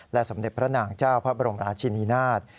สมเด็จพระนางเจ้าพระบรมราชินินาศ